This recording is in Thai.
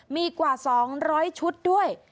มีกว่า๒๐๐ชุดด้วย